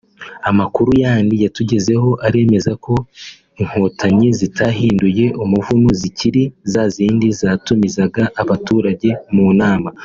Amakuru yandi yatugezeho aremeza ko Inkotanyi zitahinduye umuvuno zikiri za zindi zatumizaga abaturage mu nama